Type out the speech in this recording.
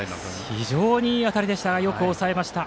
非常にいい当たりでしたがよく押さえました。